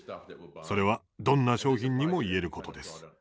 それは、どんな商品にも言えることです。